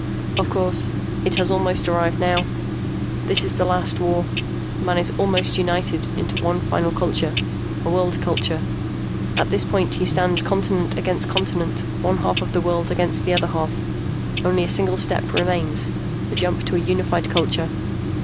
"Of course. It has almost arrived now. This is the last war. Man is almost united into one final culture a world culture. At this point he stands continent against continent, one half of the world against the other half. Only a single step remains, the jump to a unified culture.